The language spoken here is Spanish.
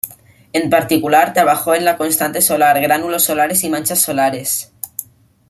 En particular, trabajó en la constante solar, gránulos solares y manchas solares.